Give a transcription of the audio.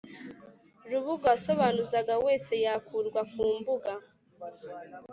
rubuga uwasobanuzaga wese yakurwa kumbuga